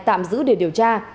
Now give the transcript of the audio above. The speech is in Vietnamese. tạm giữ để điều tra